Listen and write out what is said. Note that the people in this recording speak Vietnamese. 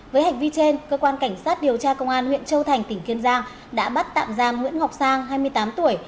với hành vi trên cơ quan cảnh sát điều tra công an huyện châu thành tỉnh kiên giang đã bắt tạm giam nguyễn ngọc sang hai mươi tám tuổi